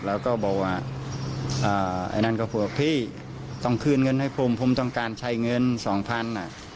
แล้วก็บอกว่าไอ้นั่นก็พูดว่าพี่ต้องคืนเงินให้ผมผมต้องการใช้เงินสองพันอ่ะ